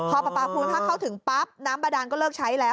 พอปลาปลาคูณถ้าเข้าถึงปั๊บน้ำบาดานก็เลิกใช้แล้ว